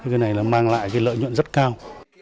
cái này nó mang lại cái lợi nhuận rất cao